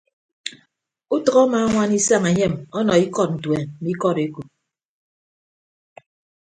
Utʌk amaañwana isañ enyem ọnọ ikọdọntuen mme ikọd ekop.